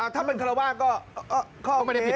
ถ้าเป็นข้าราวาทก็ไม่เป็นปิดอะไร